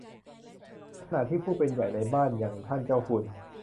ในขณะที่ผู้เป็นใหญ่ในบ้านอย่างท่านเจ้าคุณ